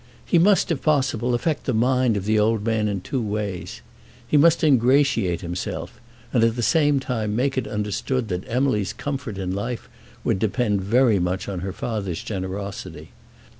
He must, if possible, affect the mind of the old man in two ways. He must ingratiate himself; and at the same time make it understood that Emily's comfort in life would depend very much on her father's generosity.